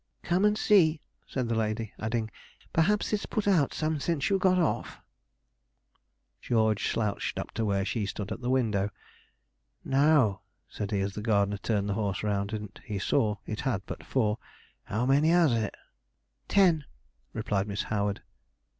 'Come and see,' said the lady; adding, 'perhaps it's put out some since you got off.' George slouched up to where she stood at the window. 'Now,' said he, as the gardener turned the horse round, and he saw it had but four, 'how many has it?' 'Ten!' replied Miss Howard.